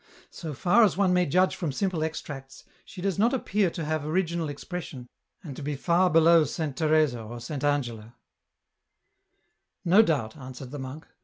So far as one may judge from simple extracts, she does not appear to have original expression, and to be far below Saint Teresa or Saint Angela." " No doubt," answered the monk.